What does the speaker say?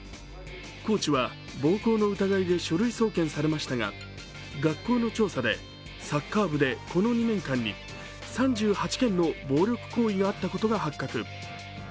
コーチは暴行の疑いで書類送検されましたが学校の調査で、サッカー部でこの２年間に３８件の暴力行為があったことが発覚。